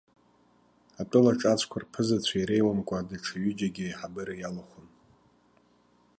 Атәылаҿацәқәа рԥызацәа иреиуамкәа даҽа ҩыџьагьы аиҳабыра иалахәын.